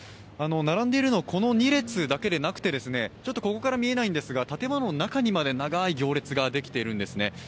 並んでいるのはこの２列だけではなくて、ここから見えないんですが、建物中にまで長い行列ができているんですね。